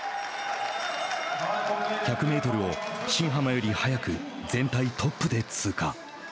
１００メートルを新濱より速く全体トップで通過。